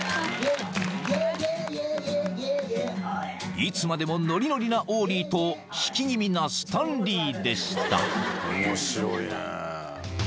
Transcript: ［いつまでもノリノリなオーリーと引き気味なスタンリーでした］